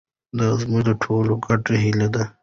دا زموږ د ټولو ګډه هیله ده.